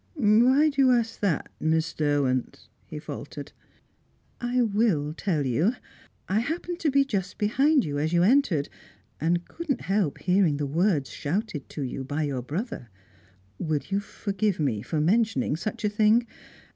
"Why do you ask that, Miss Derwent?" he faltered. "I will tell you. I happened to be just behind you as you entered, and couldn't help hearing the words shouted to you by your brother. Will you forgive me for mentioning such a thing?